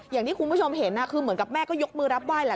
อย่างที่คุณผู้ชมเห็นคือเหมือนกับแม่ก็ยกมือรับไห้แหละ